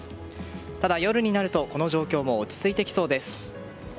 ただ夜になるとこの状況も落ち着いてきそうです。